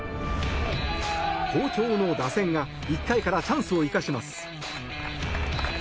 好調の打線が１回からチャンスを生かします。